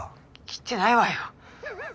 切ってないわよ。